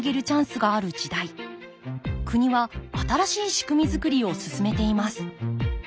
国は新しい仕組み作りを進めています。